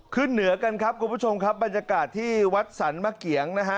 เหนือกันครับคุณผู้ชมครับบรรยากาศที่วัดสรรมะเกียงนะฮะ